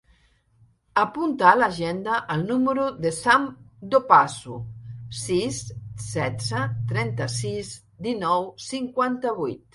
Apunta a l'agenda el número del Sam Dopazo: sis, setze, trenta-sis, dinou, cinquanta-vuit.